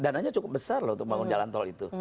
dananya cukup besar loh untuk bangun jalan tol itu